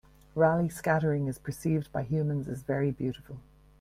Raleigh scattering is perceived by humans as very beautiful.